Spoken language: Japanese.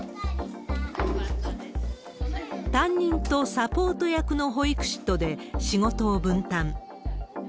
担任とサポート役の保育士とで仕事を分担。